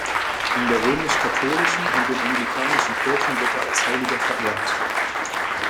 In der römisch-katholischen und den anglikanischen Kirchen wird er als Heiliger verehrt.